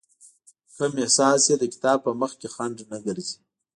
کوم احساس يې د کتاب په مخکې خنډ نه ګرځي.